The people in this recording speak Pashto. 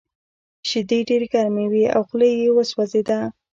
شیدې ډېرې ګرمې وې او خوله یې وسوځېده